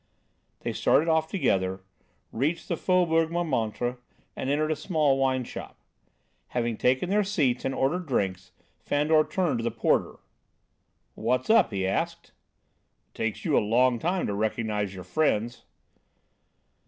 '" They started off together, reached the Faubourg Montmartre and entered a small wine shop. Having taken their seats and ordered drinks, Fandor turned to the porter. "What's up?" he asked. "It takes you a long time to recognise your friends."